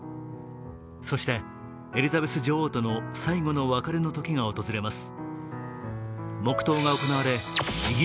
そしてエリザベス女王との最後の別れの時が訪れます。